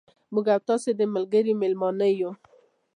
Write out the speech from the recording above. موږ او تاسو د ملګري مېلمانه یو.